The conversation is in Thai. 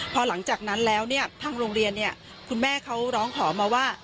พอหลังจากนั้นแล้วทางโรงเรียนคุณแม่เขาร้องขอมาว่า